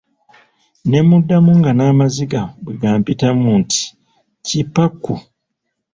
Ne mmuddamu nga n'amaziga bwe gampitamu nti, Ki-pa-ku.